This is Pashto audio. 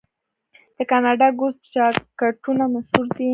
د کاناډا ګوز جاکټونه مشهور دي.